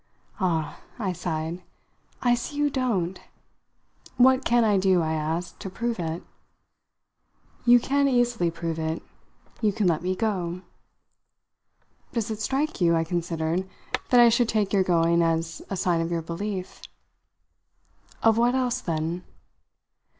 "Ah," I sighed, "I see you don't! What can I do," I asked, "to prove it?" "You can easily prove it. You can let me go." "Does it strike you," I considered, "that I should take your going as a sign of your belief?" "Of what else, then?"